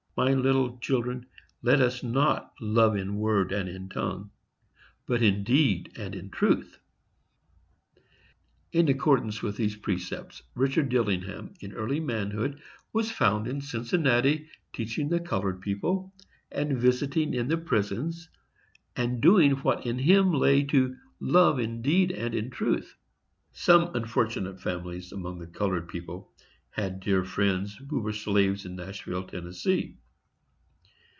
—My little children, let us not love in word and in tongue, but in deed and in truth." In accordance with these precepts, Richard Dillingham, in early manhood, was found in Cincinnati teaching the colored people, and visiting in the prisons and doing what in him lay to "love in deed and in truth." Some unfortunate families among the colored people had dear friends who were slaves in Nashville, Tennessee.